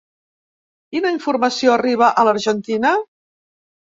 Quina informació arriba a l’Argentina?